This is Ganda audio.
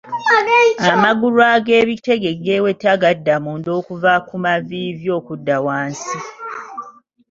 Amagulu ag'ebitege geeweta gadda munda okuva ku maviivi okudda wansi.